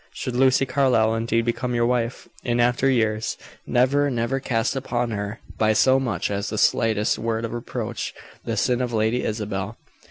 Should Lucy Carlyle indeed become your wife, in after years, never, never cast upon her, by so much as the slightest word of reproach, the sin of Lady Isabel."